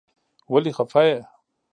ولې خفه يې.